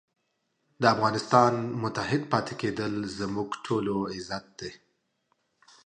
د افغانستان متحد پاتې کېدل زموږ ټولو عزت دی.